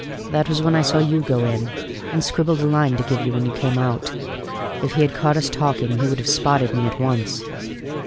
That was when I saw you go in, and scribbled a line to give you when you came out. If he had caught us talking he would have spotted me at once."